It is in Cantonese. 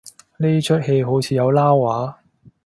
呢齣戲好似有撈話